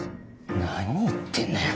何言ってんだよ。